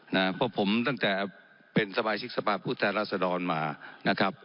เพราะผมตั้งแต่เป็นสมาชิกสภาพผู้แทนรัศดรมานะครับ